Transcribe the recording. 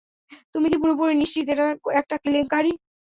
তুমি কি পুরোপুরি নিশ্চিত এটা একটা কেলেঙ্কারী?